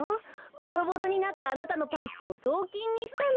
ボロボロになったあなたのパンツをぞうきんにしたの。